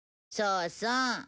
そうそう。